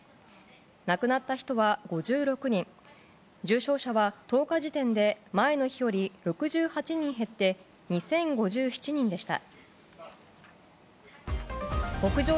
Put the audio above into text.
亡くなった人は５６人重症者は昨日時点で前の日より６８人減って２０５７人でした。